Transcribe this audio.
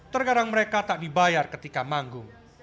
terkadang mereka tak dibayar ketika manggung